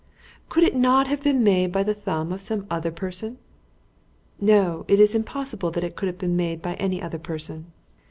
"Could it not have been made by the thumb of some other person?" "No; it is impossible that it could have been made by any other person."